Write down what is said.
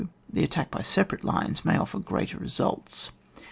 The attack by separate lines may offer greater results.